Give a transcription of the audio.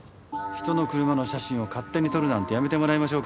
人の車の写真を勝手に撮るなんてやめてもらいましょうか。